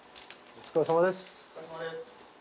お疲れさまです。